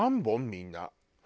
みんな。